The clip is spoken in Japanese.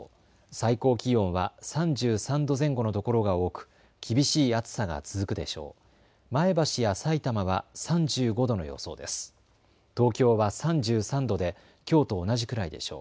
最高気温は３３度前後の所が多く厳しい暑さが続くでしょう。